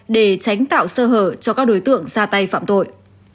để tránh tạo sơ hở cho các đối tượng ra tay phạm tội